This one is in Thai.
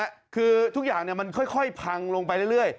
ยุทธ์อีกแล้วคือทุกอย่างมันค่อยพังลงไปเรื่อย